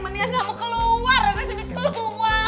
mendingan gak mau keluar dari sini keluar